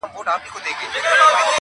زورولي مي دي خلک په سل ګونو،